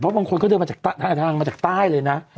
บางคนเขาเดินมาจากทางมาจากใต้เลยนะ